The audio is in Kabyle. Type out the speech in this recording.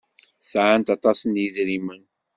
Sɛant aṭas n yedrimen.